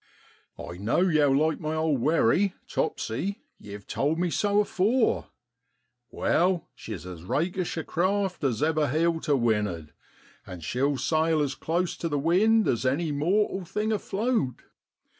'I know yow like my old wherry Topsy, you've told me so afore. Wai, she's as rakish a craft as ever heeled to wind'ard, an' she'll sail as close to the wind as any mortal thing afloat.